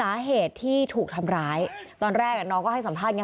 อันนั้นก็เขาให้สัมภาษณ์